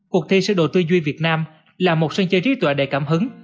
cuộc thi sơ đồ tuy duy việt nam là một sân chơi trí tuệ đầy cảm hứng